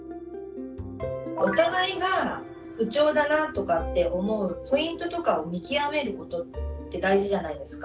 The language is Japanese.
お互いが不調だなとかって思うポイントとかを見極めることって大事じゃないですか？